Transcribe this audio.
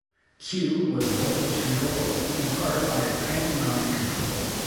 Q was voltage-controllable, in part by a panel-mounted control.